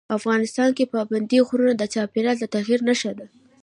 افغانستان کې پابندي غرونه د چاپېریال د تغیر نښه ده.